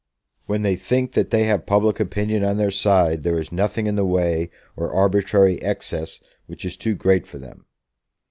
"When they think that they have public opinion on their side, there is nothing in the way or arbitrary excess which is too great for them."